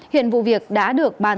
hiện vụ việc đã được bàn giao